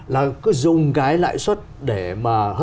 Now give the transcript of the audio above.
là cứ dùng cái lãi suất để mà hấp dẫn